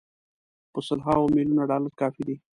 په سل هاوو میلیونه ډالر کافي دي.